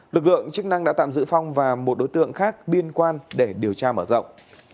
lực lượng chức năng đã tạm giữ phong và một đối tượng khác liên quan để điều tra mở rộng